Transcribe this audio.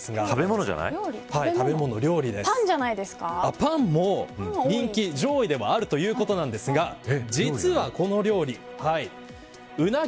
パンも上位ではあるということですが実は、この料理。